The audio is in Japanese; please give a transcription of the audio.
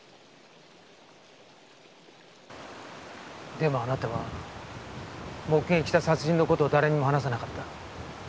でもあなたは目撃した殺人の事を誰にも話さなかった。